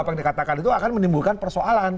apa yang dikatakan itu akan menimbulkan persoalan